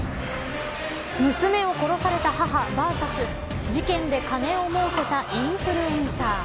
娘を殺された母ＶＳ事件で金をもうけたインフルエンサー。